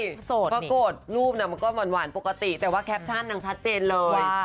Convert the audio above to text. ลูกสาวโกรธรูปมันก็หวานปกติแต่ว่าแคปชั่นชัดเจนเลย